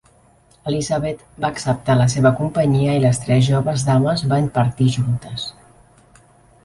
Elisabet va acceptar la seva companyia i les tres joves dames van partir juntes.